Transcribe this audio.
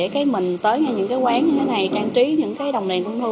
cái mình tới ngay những cái quán như thế này trang trí những cái đồng đèn trung thu